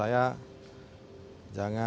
saya akan berharap